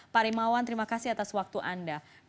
pak rimawan terima kasih atas waktu anda